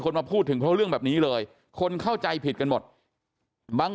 มาพูดถึงเพราะเรื่องแบบนี้เลยคนเข้าใจผิดกันหมดบาง